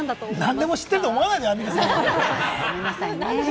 何でも知ってると思わないで、アンミカさんを。